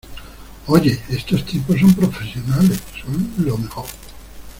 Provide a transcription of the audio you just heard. Oye, estos tipos son profesionales. Son lo mejor .